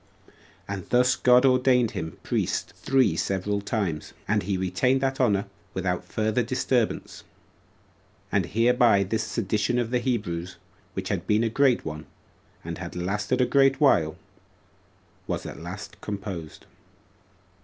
And thus God ordained him priest three several times, and he retained that honor without further disturbance. And hereby this sedition of the Hebrews, which had been a great one, and had lasted a great while, was at last composed.